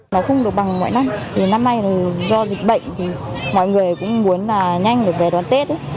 nó không được bằng mọi năm vì năm nay do dịch bệnh mọi người cũng muốn nhanh được về đoàn tết